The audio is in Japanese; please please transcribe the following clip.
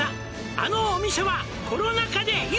「あのお店はコロナ渦で今！？」